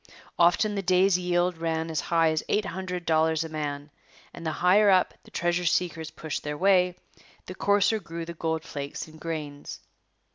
Often the day's yield ran as high as eight hundred dollars a man; and the higher up the treasure seekers pushed their way, the coarser grew the gold flakes and grains.